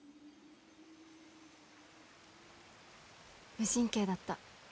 無神経だった。